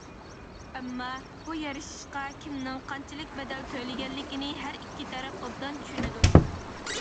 ئەمما، بۇ يارىشىشقا كىمنىڭ قانچىلىك بەدەل تۆلىگەنلىكىنى ھەر ئىككى تەرەپ ئوبدان چۈشىنىدۇ.